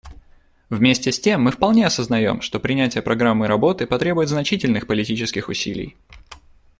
Вместе с тем, мы вполне осознаем, что принятие программы работы потребует значительных политических усилий.